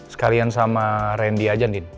sekalian sama randy aja